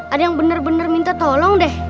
ada yang bener bener minta tolong deh